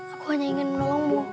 aku hanya ingin menolongmu